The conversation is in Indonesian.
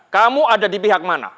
kamu ada di pihak mana